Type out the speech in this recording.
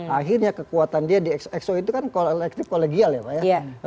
akhirnya kekuatan dia di exo itu kan kolektif kolegial ya pak ya